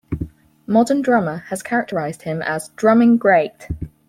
"Modern Drummer" has characterised him as a "drumming great".